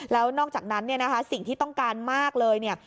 แล้วนอกจากนั้นสิ่งที่ต้องการมากเลย